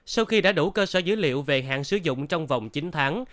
sau khi đã đủ cơ sở dữ liệu về hạn sử dụng trong vòng chín tháng